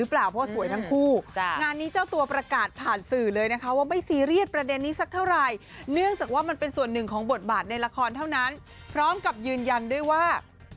แบบนี้จะตัวประกาศผ่านสื่อเลยนะครับว่าไม่ซีเรียสประเด็นนี้สักเท่าไรเนื่องจากว่ามันเป็นส่วนหนึ่งของบทบาทในละครเท่านั้นร้อมกับยืนยังด้วยว่า